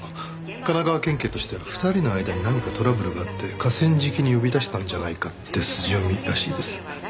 神奈川県警としては２人の間に何かトラブルがあって河川敷に呼び出したんじゃないかって筋読みらしいです。